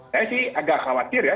saya sih agak khawatir ya